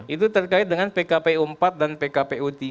itu terkait dengan pkp u empat dan pkp u tiga